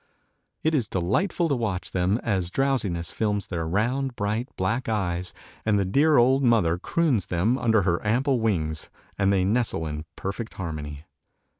It is delightful to watch them as drowsiness films their round, bright, black eyes, and the dear old mother croons them under her ample wings, and they nestle in perfect harmony.